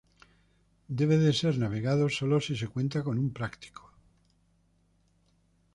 Debe ser navegado sólo si se cuenta con un práctico.